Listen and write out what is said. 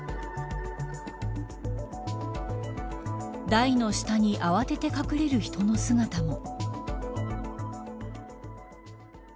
台の下に慌てて隠れる人の姿も。